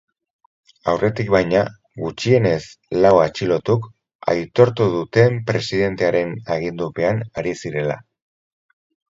Aurretik, baina, gutxienez lau atxilotuk aitortu duten presidentearen agindupean ari zirela.